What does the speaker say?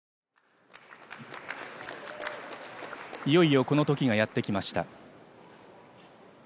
いよいよこの時がやってきました。